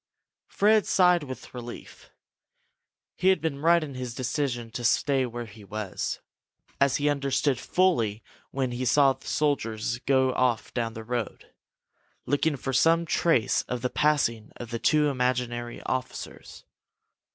Fred sighed with relief. He had been right in his decision to stay where he was, as he understood fully when he saw the soldiers go off down the road, looking for some trace of the passing of the two imaginary officers.